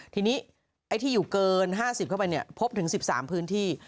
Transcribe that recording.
ทีนี้ไอ้ที่อยู่เกิน๕๐เข้าไปพบถึง๑๓พื้นที่